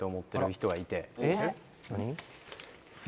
何？